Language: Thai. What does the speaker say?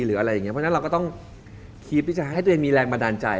เพราะฉะนั้นเราก็ต้องคลิปให้ตัวเองมีแรงบันดาลใจ